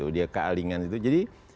dia kealingan jadi